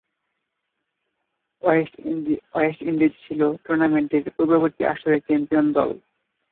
West Indies ছিল টুর্নামেন্টের পূর্ববর্তী আসরের চ্যাম্পিয়ন দল।